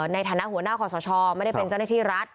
ในฐานะหัวหน้าขอสชไม่ได้เป็นเจ้าหน้าที่รัฐ